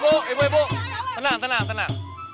ebu ebu ebu tenang tenang tenang